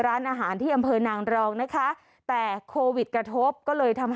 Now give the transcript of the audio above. ร้านอาหารที่อำเภอนางรองนะคะแต่โควิดกระทบก็เลยทำให้